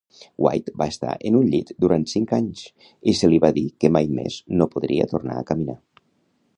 White va estar en un llit durant cinc anys i se li va dir que mai més no podria tornar a caminar.